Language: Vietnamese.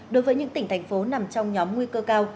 đối với những tỉnh thành phố nằm trong nhóm nguy cơ cao